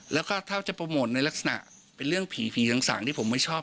แล้วก็ถ้าจะโปรโมทในลักษณะเป็นเรื่องผีผีสางที่ผมไม่ชอบ